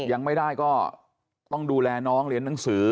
ยังไม่ได้ก็ต้องดูแลน้องเรียนหนังสือ